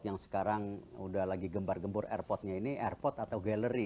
yang sekarang udah lagi gembar gembur airportnya ini airport atau gallery